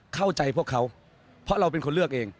เข้าใจพวกเขาเพราะเราเป็นคนเลือกเอง